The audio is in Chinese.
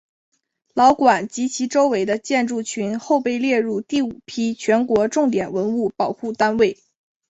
老馆及其周围的建筑群后被列入第五批全国重点文物保护单位。